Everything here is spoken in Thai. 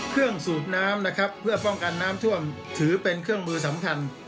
เครื่องสูบน้ำเพื่อป้องกันน้ำท่วมถือเป็นเครื่องมือสำคัญ